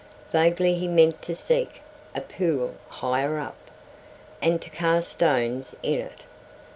Vaguely he meant to seek a pool higher up, and to cast stones in it.